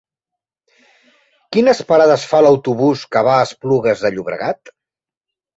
Quines parades fa l'autobús que va a Esplugues de Llobregat?